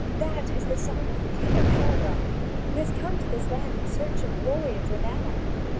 That is the son of the King of Aragon, who has come to this land in search of glory and renown.